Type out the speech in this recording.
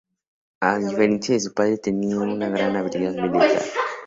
A diferencia de su padre, tenía una gran habilidad militar.